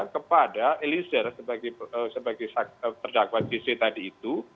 kepada eliezer sebagai terdakwa jc tadi itu